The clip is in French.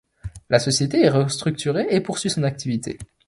La société est restructurée et poursuit son activité.